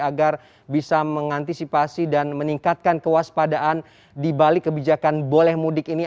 agar bisa mengantisipasi dan meningkatkan kewaspadaan di balik kebijakan boleh mudik ini